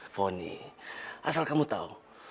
fonny asal kamu tahu